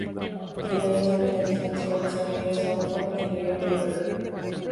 Tiene dos afluentes principales: el río Sandford y el río Roderick.